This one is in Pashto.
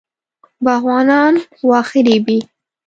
باغوانان واښه رېبي.